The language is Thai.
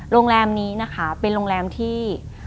โรงแรมนี้นะคะเป็นโรงแรมที่